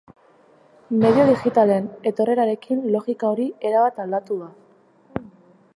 Medio digitalen etorrerarekin logika hori erabat aldatu da.